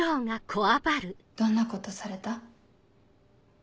どんなことされた？